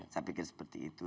saya pikir seperti itu